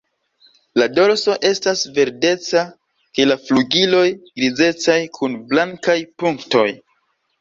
Lo dorso estas verdeca kaj la flugiloj grizecaj kun blankaj punktoj.